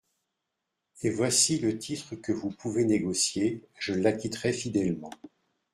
En voici le titre que vous pouvez négocier, je l'acquitterai fidèlement.